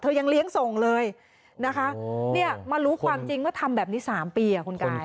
ยังเลี้ยงส่งเลยนะคะเนี่ยมารู้ความจริงว่าทำแบบนี้๓ปีคุณกาย